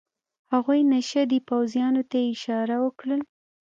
هغوی نشه دي، پوځیانو ته یې اشاره وکړل.